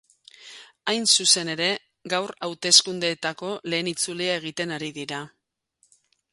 Hain zuzen ere, gaur hauteskundeetako lehen itzulia egiten ari dira.